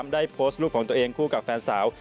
ได้โพสต์รูปของตัวเองคู่กับแฟนสาว